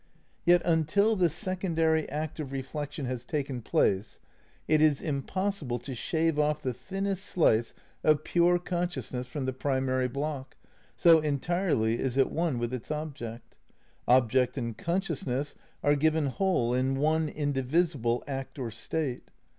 Yet until the secondary act of reflection has taken place it is impossible to shave off the thinnest slice of pure consciousness from the primary block, so entirely is it 'one with its object. Object and consciousness are given whole in one indivisible act or state.